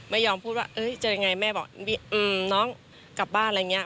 ไม่ยอมพูดว่าเจอยังไงแม่บอกน้องกลับบ้านอะไรอย่างนี้